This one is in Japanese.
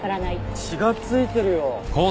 血が付いてるよ。